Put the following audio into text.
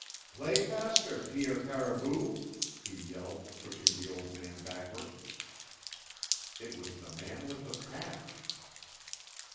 "Play faster, Pierre Caribou!" he yelled, pushing the old man backward. It was the man with the patch!